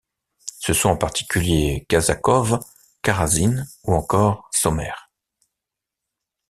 Ce sont en particulier Kazakov, Karazine ou encore Sommer.